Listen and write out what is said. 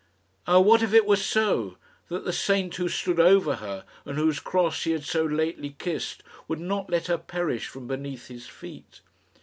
Ah! what if it were so that the saint who stood over her, and whose cross she had so lately kissed, would not let her perish from beneath his feet?